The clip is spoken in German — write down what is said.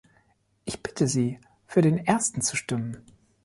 Ich bitte Sie, für den ersten zu stimmen.